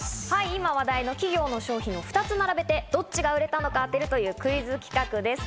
今話題の企業の商品を２つ並べてどっちが売れたのか当てるというクイズ企画です。